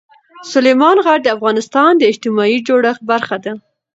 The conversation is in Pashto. سلیمان غر د افغانستان د اجتماعي جوړښت برخه ده.